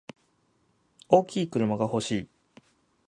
大きい車が欲しい。